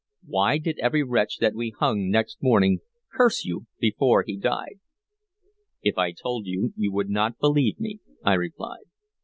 Why did every wretch that we hung next morning curse you before he died?" "If I told you, you would not believe me," I replied.